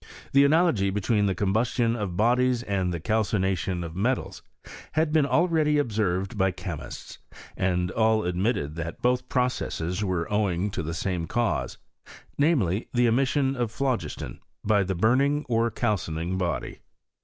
The analogy between the combustion of bodies and the calcination of metals had been already observed by chemists, and all admitted that both processes were owing to the same cause ; namely, the emission of phlogiston by the burning or calcining body.